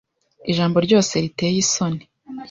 Ijambo ryose riteye isoni,